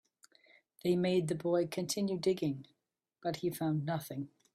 They made the boy continue digging, but he found nothing.